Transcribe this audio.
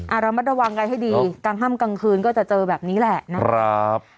ระมัดระวังกันให้ดีกลางค่ำกลางคืนก็จะเจอแบบนี้แหละนะครับ